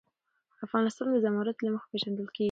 افغانستان د زمرد له مخې پېژندل کېږي.